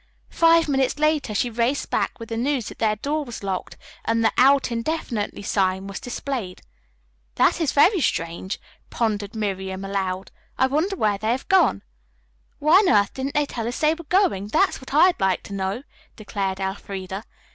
Five minutes later she raced back with the news that their door was locked and the "out indefinitely" sign was displayed. "That is very strange," pondered Miriam, aloud. "I wonder where they have gone?" "Why on earth didn't they tell us they were going? That's what I'd like to know," declared Elfreda.